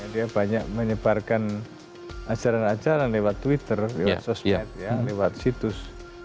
dia banyak menyebarkan ajaran ajaran lewat twitter lewat sosmed lewat situs